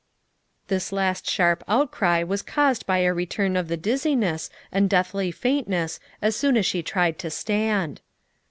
This last sharp outcry was caused by a re turn of the dizziness and deathly faintness as soon as she tried to stand.